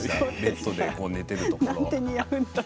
ベッドで寝ているところ。